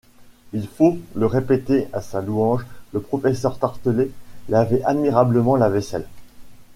Il faut le répéter à sa louange, le professeur Tartelett lavait admirablement la vaisselle.